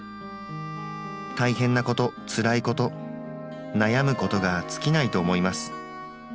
大変なことつらいこと悩むことがつきないと思います。